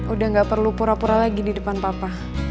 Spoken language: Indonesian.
udah gak perlu pura pura lagi di depan papa